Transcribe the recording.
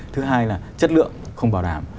thứ hai là chất lượng không bảo đảm